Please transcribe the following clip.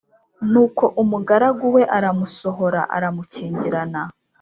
Nuko umugaragu we aramusohora, aramukingirana.